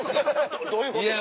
どういうことですか？